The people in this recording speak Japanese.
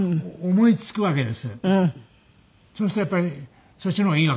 そうするとやっぱりそっちの方がいいわけですからね